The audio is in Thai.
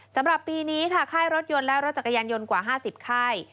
สำหรับปีนี้ค่ะค่ายรถยนต์และรถจักรยานยนต์กว่า๕๐ค่าย